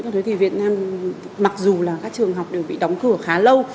thế thì việt nam mặc dù là các trường học đều bị đóng cửa khá lâu